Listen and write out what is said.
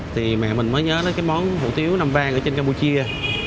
thì mẹ mình mới nhớ đến cái món hủ tiếu nam vàng ở trên campuchia